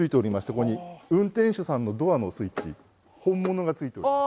ここに運転手さんのドアのスイッチ本物が付いております。